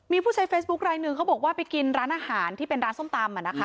มีผู้ใช้เฟซบุ๊คไลนึงเขาบอกว่าไปกินร้านอาหารที่เป็นร้านส้มตำ